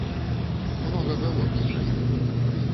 Многа гаворкі пра іх.